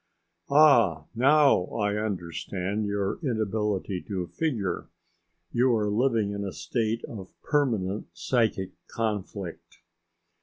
"Ah! now I understand your inability to figure. You are living in a state of permanent psychic conflict.